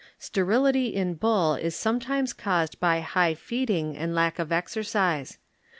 Stebiuty in bull is sometimes caused b^ high feeding and lack of exercise.